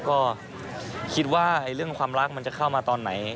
ก็คิดว่าเรื่องความรักมันจะเข้ามาตอนไหน